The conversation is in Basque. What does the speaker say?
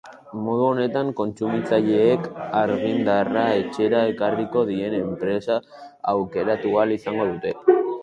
Modu honetan kontsumitzaileek argindarra etxera ekarriko dien enpresa aukeratu ahal izango dute.